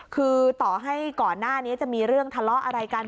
คือต่อให้ก่อนหน้านี้จะมีเรื่องทะเลาะอะไรกัน